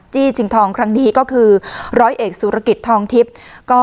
ชิงทองครั้งนี้ก็คือร้อยเอกสุรกิจทองทิพย์